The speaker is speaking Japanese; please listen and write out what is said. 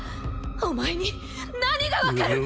お前に何が分かるっ！